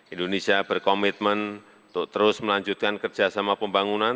indonesia berkomitmen untuk terus melanjutkan kerjasama pembangunan